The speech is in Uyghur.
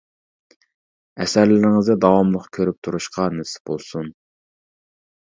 ئەسەرلىرىڭىزنى داۋاملىق كۆرۈپ تۇرۇشقا نېسىپ بولسۇن!